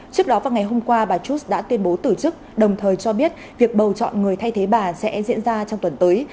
trước đó vào ngày hôm qua bà truth đã tuyên bố tử chức đồng thời cho biết việc bầu chọn người thay thế bà sẽ diễn ra trong tuần tới